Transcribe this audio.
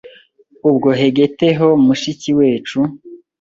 ubwo hegeti eho mushiki wecu